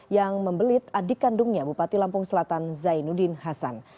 yang membelit adik kandungnya bupati lampung selatan zainuddin hasan